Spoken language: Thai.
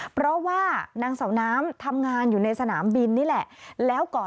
เพราะว่านางเสาน้ำทำงานอยู่ในสนามบินนี่แหละ